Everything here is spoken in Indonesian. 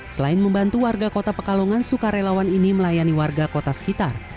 selain membantu warga kota pekalongan sukarelawan ini melayani warga kota sekitar